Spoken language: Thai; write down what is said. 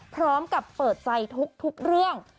พร้อมกับเปิดใจทุกเรื่อง